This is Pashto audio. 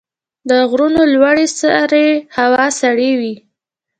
د غرونو لوړې سرې هوا سړې وي.